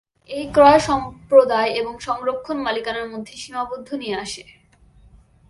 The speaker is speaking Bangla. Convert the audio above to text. এই ক্রয় সম্প্রদায় এবং সংরক্ষণ মালিকানার মধ্যে "সীমাবদ্ধ" নিয়ে আসে।